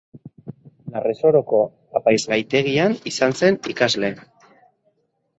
Larresoroko apaizgaitegian izan zen ikasle.